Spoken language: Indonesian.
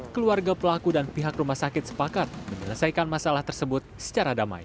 keluarga pelaku dan pihak rumah sakit sepakat menyelesaikan masalah tersebut secara damai